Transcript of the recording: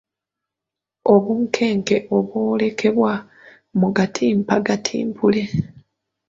Obunkenke obw’olekebwa mu Gattimpa Gatimpule